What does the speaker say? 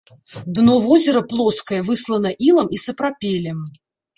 Дно возера плоскае, выслана ілам і сапрапелем.